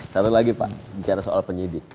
satu lagi pak bicara soal penyidik